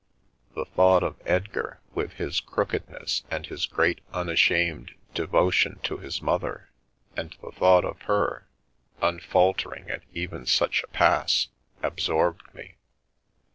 The thought of Edgar, with his crookedness and his great unashamed devotion to his mother, and the thought of her, unfaltering at even such a pass, absorbed me.